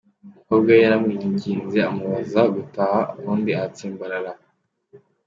Umukobwa we yaramwinginze amubuza gutaha undi aratsimbarara.